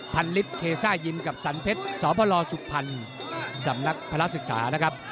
ลิศเทซ่ายิมกับสันเพชรสพลสุพรรณสำนักพระราชศึกษานะครับ